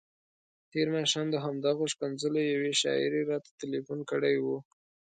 تېر ماښام د همدغو ښکنځلو یوې شاعرې راته تلیفون کړی وو.